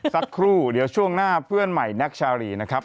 สักครู่เดี๋ยวช่วงหน้าเพื่อนใหม่แท็กชาลีนะครับ